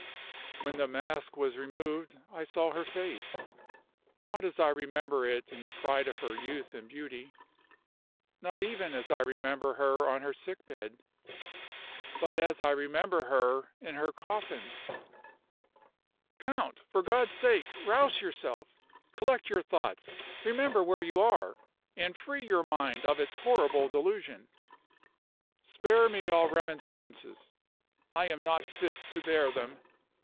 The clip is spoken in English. "When the mask was removed I saw her face. Not as I remember it in the pride of her youth and beauty not even as I remember her on her sick bed but as I remember her in her coffin." "Count! for God's sake, rouse yourself! Collect your thoughts remember where you are and free your mind of its horrible delusion." "Spare me all remonstrances; I am not fit to bear them.